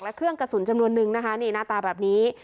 และเครื่องกระสุนจำนวนนึงนะคะนี่หน้าตาแบบนี้